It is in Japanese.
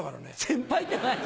先輩って。